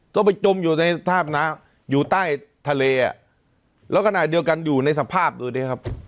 ก็ไปจมอยู่ในทาบน้ำอยู่ใต้ทะเลอ่ะแล้วขณะเดียวกันอยู่ในสภาพดูดิครับ